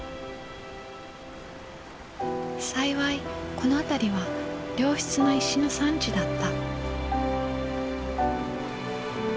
幸いこの辺りは良質な石の産地だった。